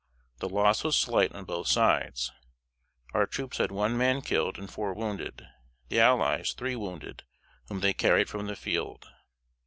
The loss was slight on both sides. Our troops had one man killed, and four wounded; the allies three wounded, whom they carried from the field.